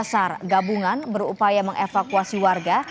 sar gabungan berupaya mengevakuasi warga